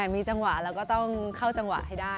มีจังหวะแล้วก็ต้องเข้าจังหวะให้ได้